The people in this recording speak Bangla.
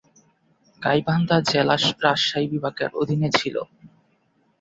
গাইবান্ধা জেলা রাজশাহী বিভাগের অধীনে ছিল।